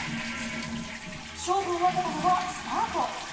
勝負を分けたのはスタート。